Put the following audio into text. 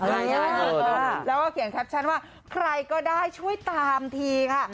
แล้วก็เขียนแคปชั่นว่าใครก็ได้ช่วยตามทีค่ะ